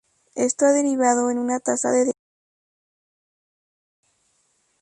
Esto ha derivado en una tasa de desempleo a gran escala en la región.